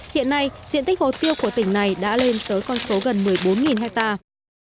hiện nay diện tích hồ tiêu của tỉnh này đã lên tới con số gần một mươi bốn hectare